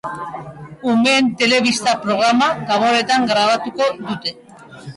Umeen telebista programa Gabonetan grabatuko dute.